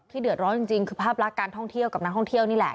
เดือดร้อนจริงคือภาพลักษณ์การท่องเที่ยวกับนักท่องเที่ยวนี่แหละ